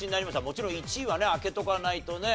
もちろん１位はね開けとかないとね。